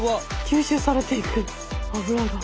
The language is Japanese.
吸収されていく油が。